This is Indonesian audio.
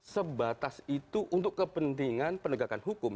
sebatas itu untuk kepentingan penegakan hukum